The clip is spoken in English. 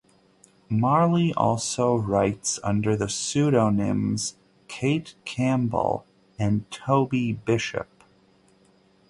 Marley also writes under the pseudonyms Cate Campbell and Toby Bishop.